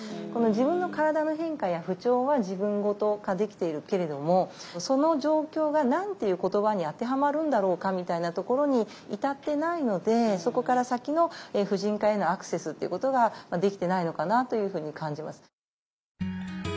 この自分の体の変化や不調は自分事化できているけれどもその状況が何ていう言葉に当てはまるんだろうかみたいなところに至ってないのでそこから先の婦人科へのアクセスっていうことができてないのかなというふうに感じます。